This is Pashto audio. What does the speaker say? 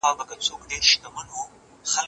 ښځه د چای پیاله وینځي.